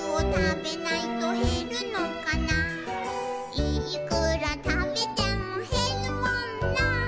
「いーくらたべてもへるもんなー」